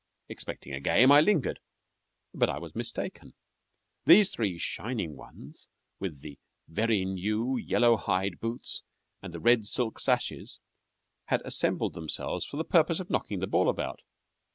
Expecting a game, I lingered; but I was mistaken. These three shining ones with the very new yellow hide boots and the red silk sashes had assembled themselves for the purpose of knocking the ball about.